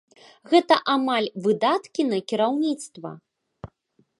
Гэта амаль выдаткі на кіраўніцтва!